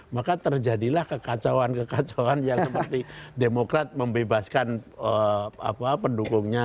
maka terjadilah kekacauan kekacauan yang seperti demokrat membebaskan pendukungnya